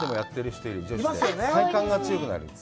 体幹が強くなる。